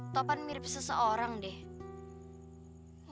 topan mirip seseorang deh